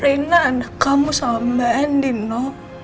reina ada kamu sama mbak endi no